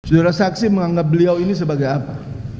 saudara saksi menganggap beliau ini sebagai apa